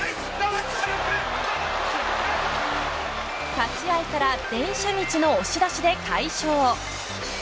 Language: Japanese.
立ち合いから電車道の押し出しで快勝。